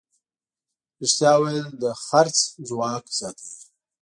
رښتیا ویل د خرڅ ځواک زیاتوي.